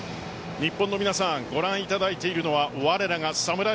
日本の皆さんご覧いただいているのはわれらがサムライ